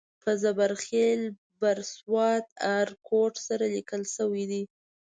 په زبر خېل بر سوات ارکوټ سره لیکل شوی دی.